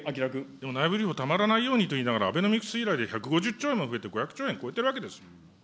でも内部留保たまらないようにと言いながら、アベノミクス以来で１５０兆円も増えて、５００兆円超えているわけです。